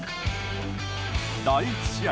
第１試合